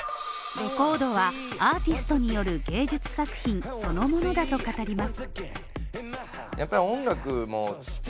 レコードは、アーティストによる芸術作品そのものと語ります。